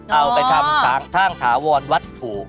เอาไปทำทางถาวรวัดถูก